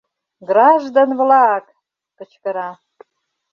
— Граждан-влак! — кычкыра.